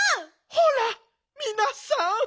ほらみなさん